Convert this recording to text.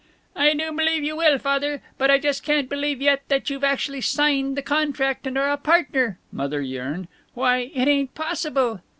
"I do believe you will, Father. But I just can't believe yet that you've actually signed the contract and are a partner," Mother yearned. "Why, it ain't possible."